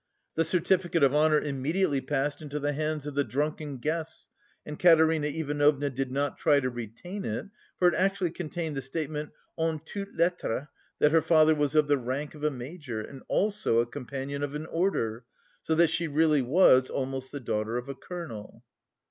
The certificate of honour immediately passed into the hands of the drunken guests, and Katerina Ivanovna did not try to retain it, for it actually contained the statement en toutes lettres, that her father was of the rank of a major, and also a companion of an order, so that she really was almost the daughter of a colonel.